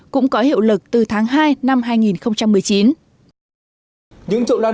cũng có hiệu lực từ tháng hai năm hai nghìn một mươi chín